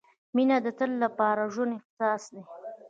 • مینه د تل لپاره ژوندی احساس دی.